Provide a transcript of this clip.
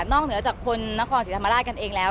เหนือจากคนนครศรีธรรมราชกันเองแล้ว